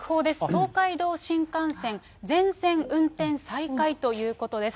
東海道新幹線、全線運転再開ということです。